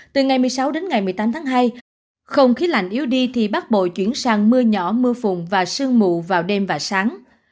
từ ngày một mươi sáu đến ngày một mươi tám tháng hai không khí lạnh yếu đi thì bắc bộ chuyển sang mưa nhỏ mưa phùn và sương mù vào đêm và sáng